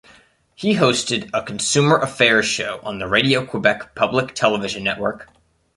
He hosted a consumer affairs show on the Radio-Quebec public television network.